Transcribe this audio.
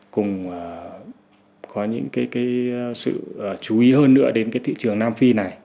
cũng có những sự chú ý hơn nữa đến thị trường nam phi này